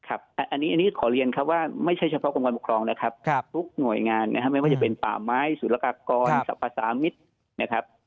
อันนี้ขอเรียนครับว่าไม่ใช่เฉพาะกรมการปกครองนะครับทุกหน่วยงานนะครับไม่ว่าจะเป็นป่าไม้สุรกากรสรรพสามิตรนะครับ